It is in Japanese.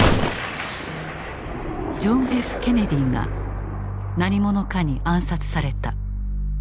ジョン・Ｆ・ケネディが何者かに暗殺された。